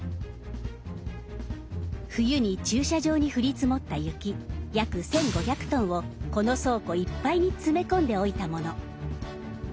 冬に駐車場に降り積もった雪約１５００トンをこの倉庫いっぱいに詰め込んでおいたもの。